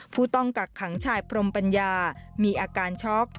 ผู้ต้องกักขังชายพรมปัญญามีอาการช็อก